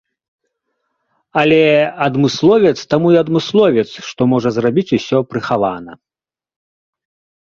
Але адмысловец таму і адмысловец, што можа зрабіць усё прыхавана.